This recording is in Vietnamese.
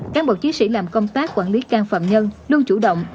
các bộ chiến sĩ làm công tác quản lý can phạm nhân luôn chủ động